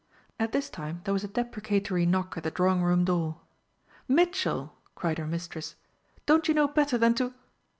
At this time there was a deprecatory knock at the drawing room door. "Mitchell!" cried her mistress, "don't you know better than to